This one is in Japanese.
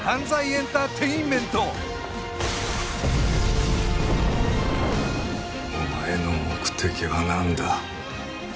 エンターテインメントお前の目的は何だ？